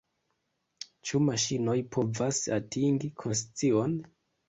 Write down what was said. Ĉu maŝinoj povas atingi konscion?